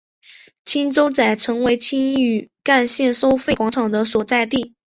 青洲仔成为青屿干线收费广场的所在地。